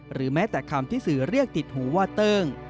หรือแม้แต่คำที่สื่อเรียกติดหูว่าเติ้ง